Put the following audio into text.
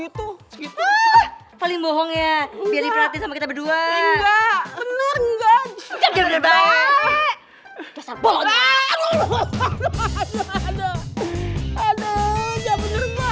tolong aku tau